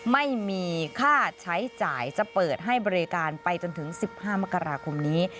ไม่มีค่าใช้จ่ายจะเปิดให้บริการไปจนถึง๑๕มกราคมนี้